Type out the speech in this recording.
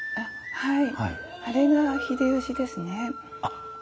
はい。